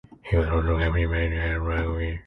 He was also captained at rugby.